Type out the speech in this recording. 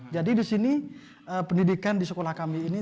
jadi di sini pendidikan di sekolah kami ini